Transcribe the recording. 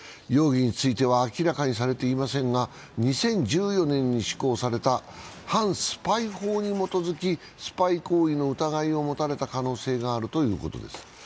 容疑については明らかにされていませんが、２０１４年に施行された反スパイ法に基づきスパイ行為の疑いを持たれた可能性があるということです。